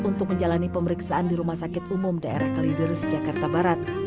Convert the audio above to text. untuk menjalani pemeriksaan di rumah sakit umum daerah kaliders jakarta barat